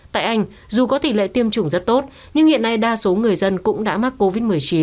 tại anh dù có tỷ lệ tiêm chủng rất tốt nhưng hiện nay đa số người dân cũng đã mắc covid một mươi chín